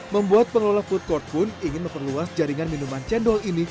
membuat pengelola food court pun ingin memperluas jaringan minuman cendol ini